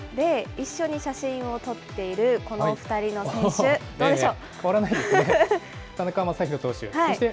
一緒に写真を撮っているこの２人の選手、誰でしょう。